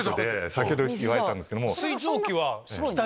先ほど言われたんですけども。